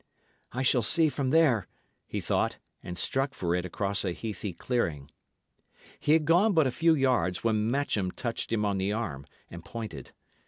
"I shall see from there," he thought, and struck for it across a heathy clearing. He had gone but a few yards, when Matcham touched him on the arm, and pointed.